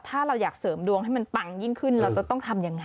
การเสริมดวงให้มันปังยิ่งขึ้นเราต้องทำยังไง